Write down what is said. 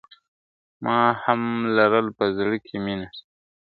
ما هم لرله په زړه کي مینه !.